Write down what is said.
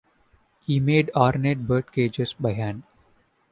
He made ornate birdcages by hand.